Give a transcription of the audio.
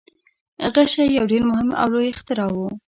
غشی یو ډیر مهم او لوی اختراع و.